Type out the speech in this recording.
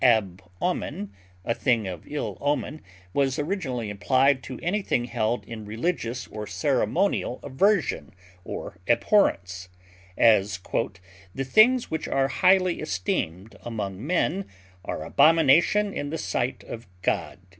ab omen, a thing of ill omen) was originally applied to anything held in religious or ceremonial aversion or abhorrence; as, "The things which are highly esteemed among men are abomination in the sight of God."